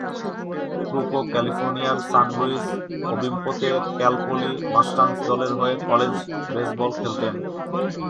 ক্রুকো ক্যালিফোর্নিয়ার San Luis ওবিস্পোতে Cal Poly Mustangs দলের হয়ে কলেজ বেসবল খেলতেন।